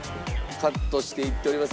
カットしていっております。